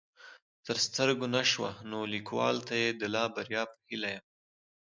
تر سترګو نه شوه نو ليکوال ته يې د لا بريا په هيله يم